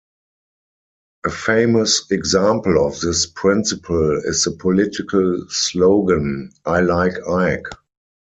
A famous example of this principle is the political slogan I like Ike.